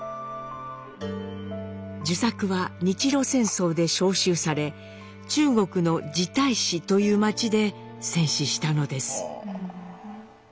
壽作は日露戦争で召集され中国の二台子という町で戦死したのです。